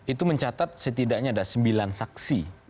itu mencatat setidaknya ada sembilan saksi